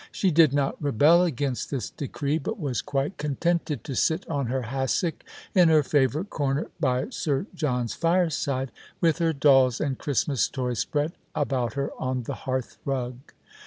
She did not rebel against this decree, but was quite contented to sit on her hassock in her favourite corner by Sir John's fireside, with her dolls and Christmas toys spread about her on the hearthrug.